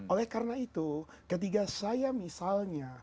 oleh karena itu ketika saya misalnya